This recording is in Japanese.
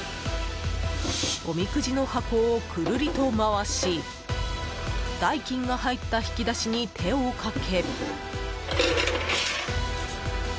おみくじの箱をくるりと回し代金が入った引き出しに手をかけ。